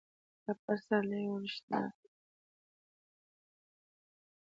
دا پسرلی اورښتناک